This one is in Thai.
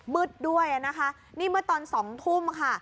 มืดด้วยนะคะนี่เมื่อตอน๒ทุ่มค่ะ